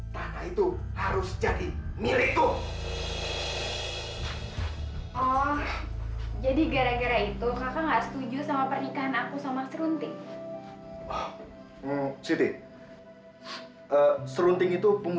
sampai jumpa di video selanjutnya